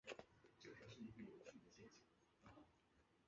是一款由卡普空公司制作和发行的格斗类游戏。